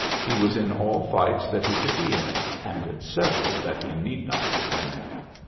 He was in all fights that he could be in, and in several that he need not have been in.